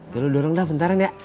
ya lu dorong dah bentar ya